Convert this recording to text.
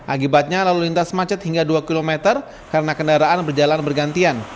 akibatnya lalu lintas macet hingga dua km karena kendaraan berjalan bergantian